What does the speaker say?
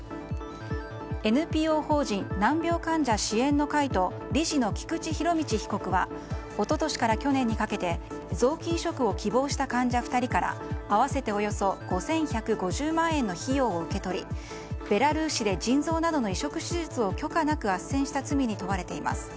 ＮＰＯ法人難病患者支援の会と理事の菊池仁達被告は一昨年から去年にかけて臓器移植を希望した患者２人から合わせておよそ５１５０万円の費用を受け取りベラルーシで腎臓などの移植手術を許可なくあっせんした罪に問われています。